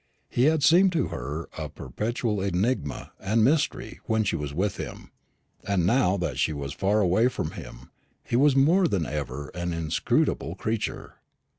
He had seemed to her a perpetual enigma and mystery when she was with him; and now that she was far away from him, he was more than ever an inscrutable creature.